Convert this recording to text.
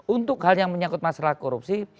untuk hal yang menyangkut masalah korupsi